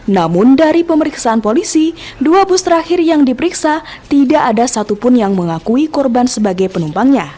namun dari pemeriksaan polisi dua bus terakhir yang diperiksa tidak ada satupun yang mengakui korban sebagai penumpangnya